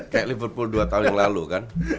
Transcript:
kayak liverpool dua tahun yang lalu kan